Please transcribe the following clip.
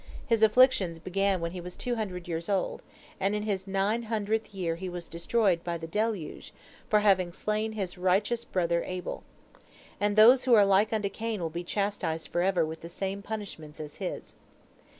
His afflictions began when he was two hundred years old, and in his nine hundredth year he was destroyed by the deluge, for having slain his righteous brother Abel. And those who are like unto Cain will be chastised forever with the same punishments as his.